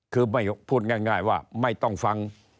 คือพูดง่ายว่าไม่ต้องฟัง